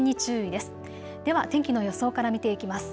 では天気の予想から見ていきます。